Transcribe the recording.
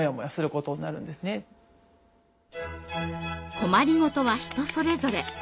困りごとは人それぞれ。